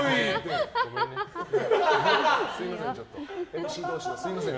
ＭＣ同士がすみません。